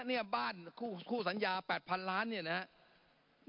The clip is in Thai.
เนี่ยบ้านคู่สัญญา๘๐๐๐ล้านเนี่ยนะครับ